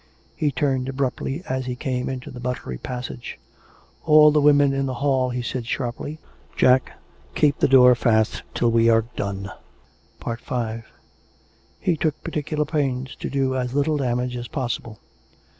... He turned abruptly as he came into the buttery passage. " All the women in the hall," he said sharply. " Jack, keep the door fast till we are done." He took particular pains to do as little damage as pos sible.